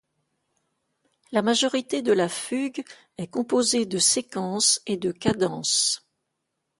La majorité de la fugue est composée de séquences et de cadences.